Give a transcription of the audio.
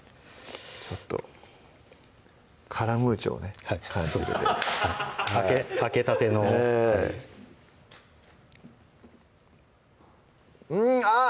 ちょっと「カラムーチョ」をね感じるので開けたてのはいねぇうんあっ！